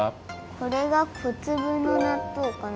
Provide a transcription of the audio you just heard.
これが小つぶのなっとうかな？